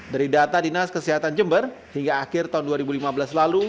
dari data dinas kesehatan jember hingga akhir tahun dua ribu lima belas lalu